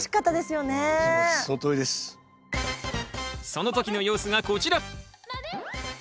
その時の様子がこちら！